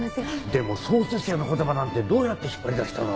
でも創設者の言葉なんてどうやって引っ張り出したの？